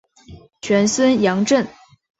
玄孙杨震。